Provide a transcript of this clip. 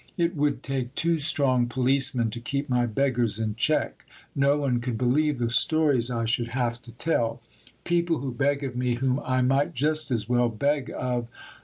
It would take two strong policemen to keep my beggars in check. No one could believe the stories I should have to tell people who beg of me whom I might just as well beg of